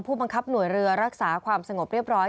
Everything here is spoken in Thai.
บังคับหน่วยเรือรักษาความสงบเรียบร้อย